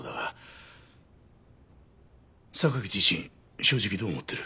榊自身正直どう思ってる？